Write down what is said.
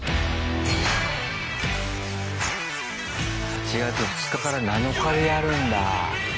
８月２日から７日でやるんだ。